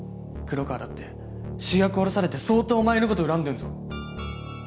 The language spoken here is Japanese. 黒河だって主役降ろされて相当お前のこと恨んでんぞ。